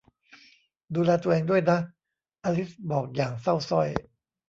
ดูแลตัวเองด้วยนะ อลิซบอกอย่างเศร้าสร้อย